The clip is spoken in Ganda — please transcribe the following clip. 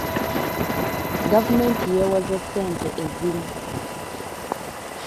Gavumenti yeewoze ssente ezimu.